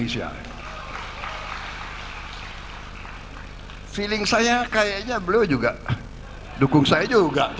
saya juga dukung saya juga